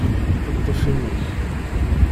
Ṭṭef imi-k!